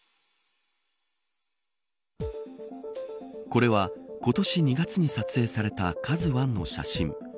これは今年２月に撮影されたＫＡＺＵ１の写真。